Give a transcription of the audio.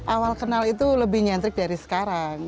awal kenal itu lebih nyentrik dari sekarang